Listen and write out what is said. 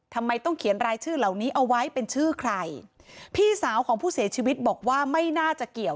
ทำไมต้องเขียนรายชื่อเหล่านี้เอาไว้เป็นชื่อใครพี่สาวของผู้เสียชีวิตบอกว่าไม่น่าจะเกี่ยว